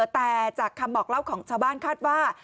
แต่จากคำบอกเล่าของชาวบ้านคาดว่า